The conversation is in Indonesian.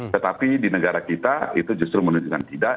tetapi di negara kita itu justru menunjukkan tidak